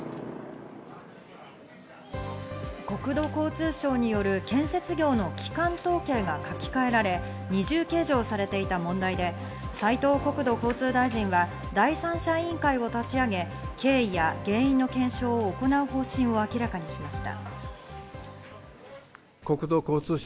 国土交通省による建設業の基幹統計が書き換えられ、二重計上されていた問題で斉藤国土交通大臣は第三者委員会を立ち上げ、経緯や原因の検証を行う方針を明らかにしました。